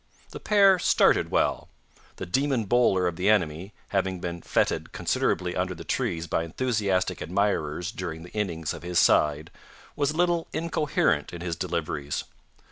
The pair started well. The demon bowler of the enemy, having been fêted considerably under the trees by enthusiastic admirers during the innings of his side, was a little incoherent in his deliveries.